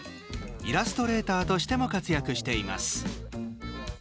イラストレーターとしても活躍しています。